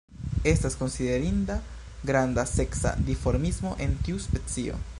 Estas konsiderinda granda seksa dimorfismo en tiu specio.